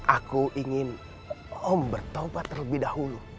aku ingin om bertaubat terlebih dahulu